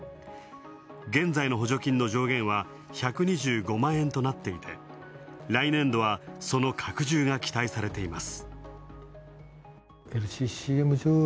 現在の補助金の上限は１２５万円となっていて、来年度はその拡充が期待されています。